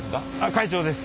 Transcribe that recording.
会長です。